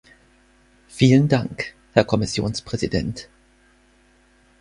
Vielen Dank, Herr Kommissionspräsident!